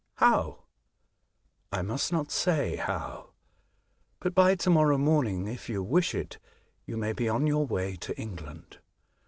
''How?" " I must not say how. But by to morrow morning, if you wish it, you may be on your way to England.